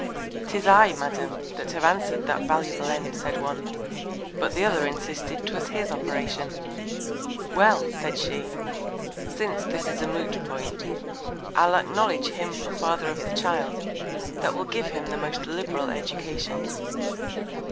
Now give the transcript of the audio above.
'Tis I, Madam, that have answered that valuable End, said one; but the other insisted 'twas his Operation. Well! said she, since this is a Moot point, I'll acknowledge him for the Father of the Child, that will give him the most liberal Education.